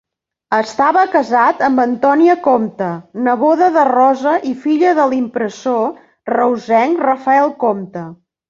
Estava casat amb Antònia Compte, neboda de Rosa i filla de l'impressor reusenc Rafael Compte.